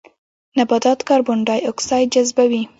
نباتات کاربن ډای اکسایډ جذبوي